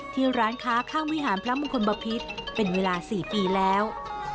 ที่ร้านค้าข้างวิหารพระมงคลบพิษเป็นเวลา๔ปีแล้ว